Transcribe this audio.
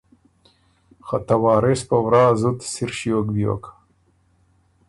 خه ته وارث په ورا زُت سِر ݭیوک بیوک